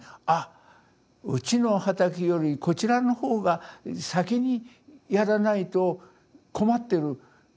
あうちの畑よりこちらの方が先にやらないと困ってる。